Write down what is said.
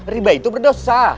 riba itu berdosa